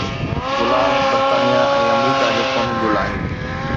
گلاب برطانيه ۽ آمريڪا جو قومي گل آهي